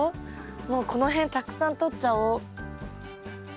もうこの辺たくさんとっちゃおう。